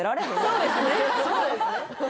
そうですね